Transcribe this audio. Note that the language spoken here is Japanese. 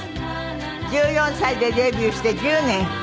１４歳でデビューして１０年。